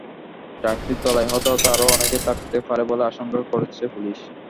ট্রাকটির তলায় হতাহত আরও অনেকে থাকতে পারে বলে আশঙ্কা করছে পুলিশ।